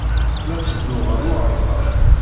La ttedduɣ ɣer uɣerbaz.